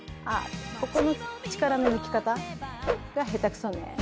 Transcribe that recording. ここの力の抜き方が下手くそね。